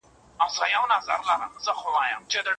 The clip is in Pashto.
دا ویرژلې غزل د همدغو ژړوونکو تصویرونو انعکاس دی.